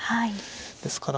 ですから。